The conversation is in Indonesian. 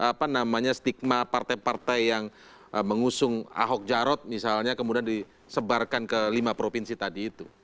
apa namanya stigma partai partai yang mengusung ahok jarot misalnya kemudian disebarkan ke lima provinsi tadi itu